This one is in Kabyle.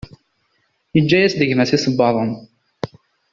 Yeǧǧa-as-d gma-s iṣebbaḍen.